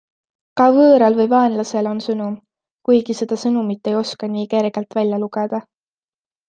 Ka võõral või vaenlasel on sõnum, kuigi seda sõnumit ei oska nii kergelt välja lugeda.